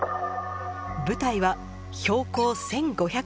舞台は標高１，５００ｍ。